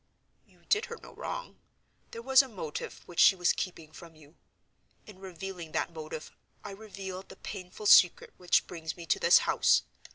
"You did her no wrong. There was a motive which she was keeping from you. In revealing that motive, I reveal the painful secret which brings me to this house.